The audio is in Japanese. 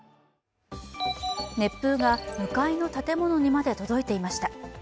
熱風が向かいの建物にまで届いていました。